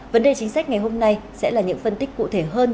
vấn đề chính sách ngày hôm nay sẽ là những phân tích cụ thể hơn